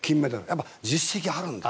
やっぱり実績があるんです。